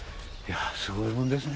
すごいもんですね